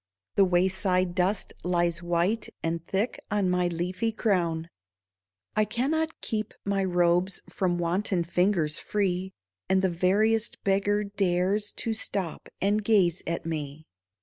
The wayside dust lies white And thick on my leafy crown. I cannot keep my robes From wanton fingers free, And the veriest beggar dares To stop and gaze at me.